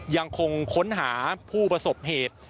ยังคงค้นหาผู้ประสบเหตุ